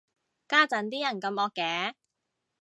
家陣啲人咁惡嘅